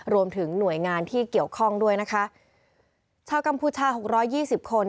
รวมถึงหน่วยงานที่เกี่ยวข้องด้วยนะคะชาวกัมพูชาหกร้อยยี่สิบคน